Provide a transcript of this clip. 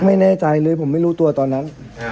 ไม่แน่ใจเลยผมไม่รู้ตัวตอนนั้น